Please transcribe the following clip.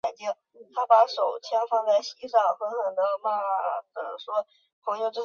他大约在楚简王时期担任圉县县令。